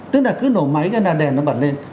tức là cứ nổ máy ra đèn nó bật lên